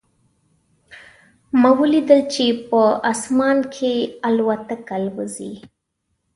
ما ولیدل چې په اسمان کې الوتکه الوزي